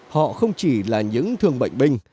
họ không chỉ là những thường bệnh binh